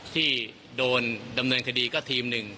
ที่โดนดำเนินคดีก็ทีมหนึ่ง